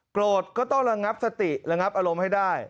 ก็ต้องระงับสติระงับอารมณ์ให้ได้